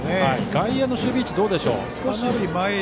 外野の守備位置はどうでしょう。